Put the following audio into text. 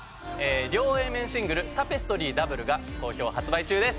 両Ａ面シングル『タペストリー／Ｗ』が好評発売中です。